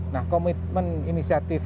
nah komitmen inisiatif